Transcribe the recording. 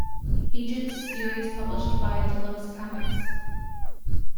Agents series published by Deluxe Comics.